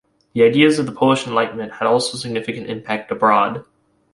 The ideas of the Polish Enlightenment had also significant impact abroad.